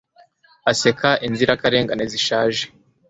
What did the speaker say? Aseka inzirakarengane zishaje